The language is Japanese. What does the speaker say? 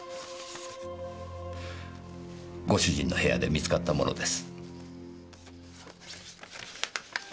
ご主人の部屋で見つかったものです。